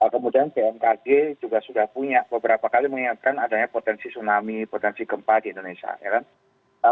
kemudian bmkg juga sudah punya beberapa kali mengingatkan adanya potensi tsunami potensi gempa di indonesia